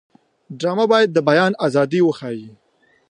ډرامه باید د بیان ازادي وښيي